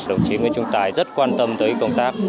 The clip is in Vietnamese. đồng chí nguyễn trung tài rất quan tâm tới công tác